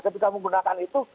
tapi kita menggunakan itu